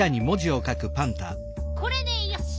これでよし。